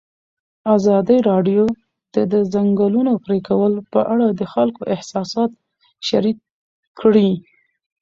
ازادي راډیو د د ځنګلونو پرېکول په اړه د خلکو احساسات شریک کړي.